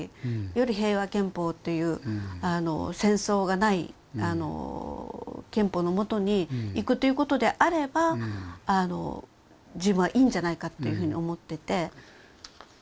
より平和憲法という戦争がない憲法のもとにいくということであれば自分はいいんじゃないかっていうふうに思ってて。